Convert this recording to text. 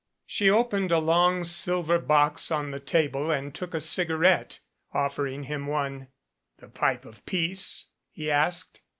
She opened a long silver box on the table and took a cigarette, offering him one. "The pipe of peace?" he asked.